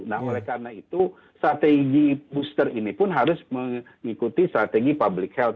nah oleh karena itu strategi booster ini pun harus mengikuti strategi public health